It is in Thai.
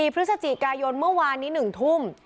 พฤศจิกายนเมื่อวานนี้๑ทุ่ม